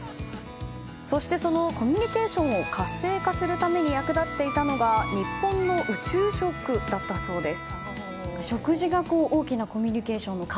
そして、コミュニケーションを活性化させるために役立っていたのが日本の宇宙食だったそうです。